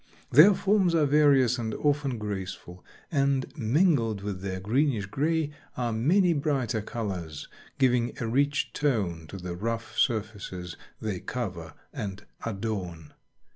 Their forms are various and often graceful, and mingled with their greenish gray are many brighter colors, giving a rich tone to the rough surfaces they cover and adorn.